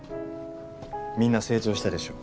みんな成長したでしょ。